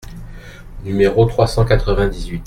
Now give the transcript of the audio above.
Numéro trois cent quatre-vingt-dix-huit.